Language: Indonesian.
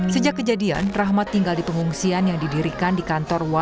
sejak kejadian rahmat tinggal di pengungsian yang didirikan di kantor wali